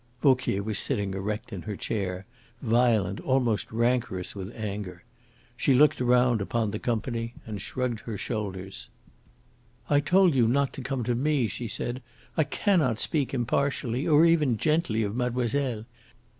Vauquier was sitting erect in her chair, violent, almost rancorous with anger. She looked round upon the company and shrugged her shoulders. "I told you not to come to me!" she said, "I cannot speak impartially, or even gently of mademoiselle.